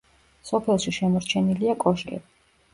სოფელში შემორჩენილია კოშკი.